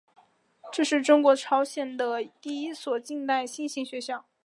这是中国朝鲜族的第一所近代新型学校。